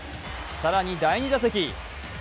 更に第２打席。